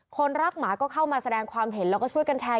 คนรักหมาก็เข้ามาแสดงความเห็นแล้วก็ช่วยกันแชร์